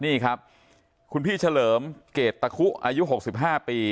นี่ครับคุณพี่เฉลิมเกรดตะคุอายุ๖๕ปี